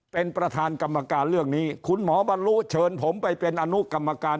เป็นประธานกรรมการเรื่องนี้คุณหมอบรรลุเชิญผมไปเป็นอนุกรรมการ